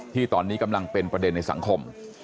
ที่ตอนนี้กำลังเป็นประเด็นในสังคม